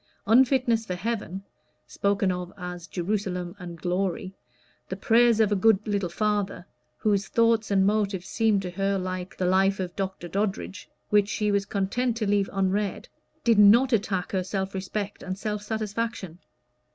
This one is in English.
Unfitness for heaven (spoken of as "Jerusalem" and "glory"), the prayers of a good little father, whose thoughts and motives seemed to her like the "Life of Dr. Doddridge," which she was content to leave unread, did not attack her self respect and self satisfaction.